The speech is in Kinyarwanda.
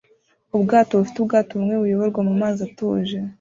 Ubwato bufite ubwato bumwe buyoborwa mumazi atuje